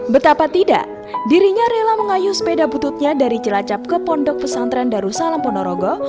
betapa tidak dirinya rela mengayu sepeda bututnya dari cilacap ke pondok pesantren darussalam ponorogo